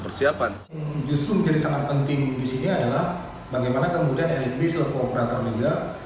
bagaimana kemudian lb selaku operator liga